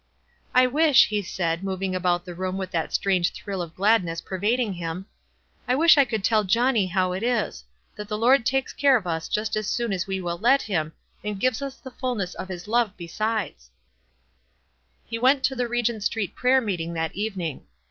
"I wish," he said, moving about the room with that strange thrill of gladness pervading him ; "I wish I could tell Johnny how it is — that the Lord takes care of us just as soon as we will let him, and gives us the fullness of his love besides/' He went to the Regent Street prayer meeting that evening.